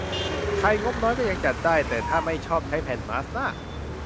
ใครงบน้อยก็ยังจัดได้ แต่ถ้าไม่ชอบใช้แผ่นมาสก์หน้า